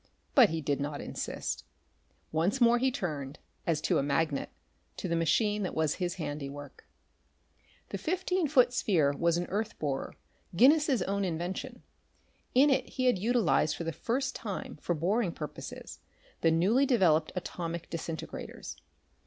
But he did not insist. Once more he turned, as to a magnet, to the machine that was his handiwork. The fifteen foot sphere was an earth borer Guinness's own invention. In it he had utilized for the first time for boring purposes the newly developed atomic disintegrators.